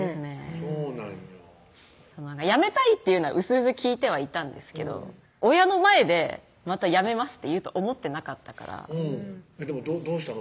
そうなんや「辞めたい」っていうのはうすうす聞いてはいたんですけど親の前で「辞めます」って言うと思ってなかったからでもどうしたの？